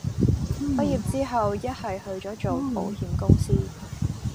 畢業之後一係去左做保險公司